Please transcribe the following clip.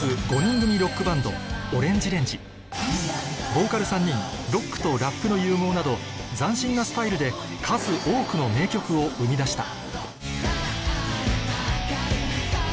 ボーカル３人ロックとラップの融合など斬新なスタイルで数多くの名曲を生み出した